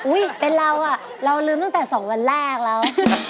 เป็นเราอ่ะเราลืมตั้งแต่๒วันแรกแล้ว